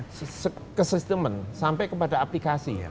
kekosistemen sampai kepada aplikasi